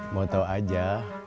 mau tau aja